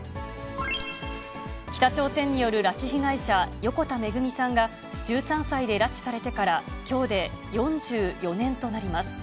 北朝鮮による拉致被害者、横田めぐみさんが１３歳で拉致されてからきょうで４４年となります。